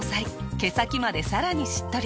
毛先までさらにしっとり。